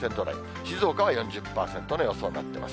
静岡は４０％の予想になってます。